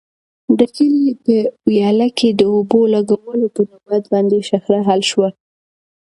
د کلي په ویاله کې د اوبو لګولو په نوبت باندې شخړه حل شوه.